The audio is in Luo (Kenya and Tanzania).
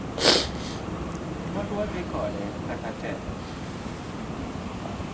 Pod wadhi kode kata tek